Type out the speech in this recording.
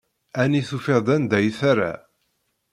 Ɛni tufiḍ-d anda i terra?